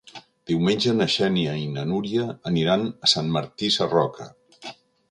Diumenge na Xènia i na Núria aniran a Sant Martí Sarroca.